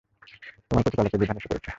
তোমার প্রতিপালকের বিধান এসে পড়েছে।